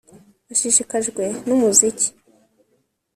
Ashishikajwe numuziki